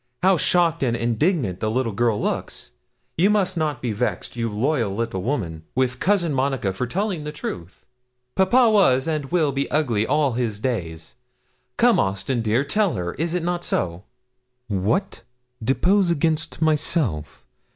How shocked and indignant the little girl looks! You must not be vexed, you loyal little woman, with Cousin Monica for telling the truth. Papa was and will be ugly all his days. Come, Austin, dear, tell her is not it so?' 'What! depose against myself!